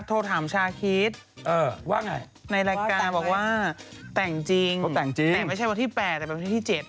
โทรถามชาคิดว่าไงในรายการบอกว่าแต่งจริงแต่ไม่ใช่วันที่๘แต่เป็นวันที่๗